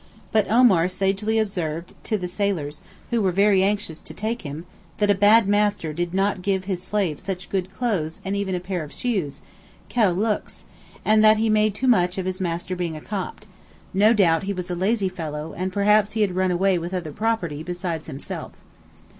But Omar sagely observed to the sailors, who were very anxious to take him, that a bad master did not give his slave such good clothes and even a pair of shoes—quel luxe!—and that he made too much of his master being a Copt; no doubt he was a lazy fellow, and perhaps had run away with other property besides himself.